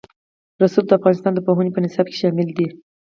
رسوب د افغانستان د پوهنې په نصاب کې شامل دي.